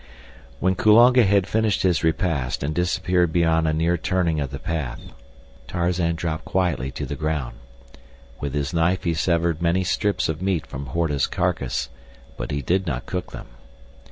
When Kulonga had finished his repast and disappeared beyond a near turning of the path, Tarzan dropped quietly to the ground. With his knife he severed many strips of meat from Horta's carcass, but he did not cook them.